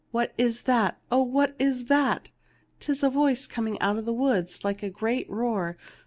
What is that ? Oh, what is that ? 'Tis a voice coming out of the woods like a great roar.